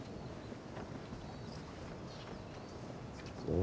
お！